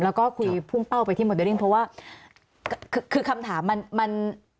แล้วก็คุยพุ่งเป้าไปที่โมเดลลิ่งเพราะว่าคือคำถามมันมัน